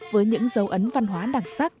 với những dấu ấn văn hóa đặc sắc